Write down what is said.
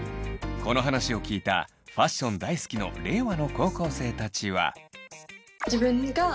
この話を聞いたファッション大好きの令和の高校生たちは。